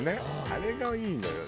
あれがいいのよ。